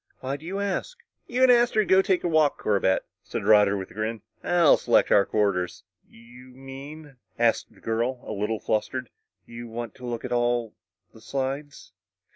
"Why do you ask?" "You and Astro go take a walk, Corbett," said Roger with a grin. "I'll select our quarters!" "You mean," asked the girl, a little flustered, "you want to look at all the slides?"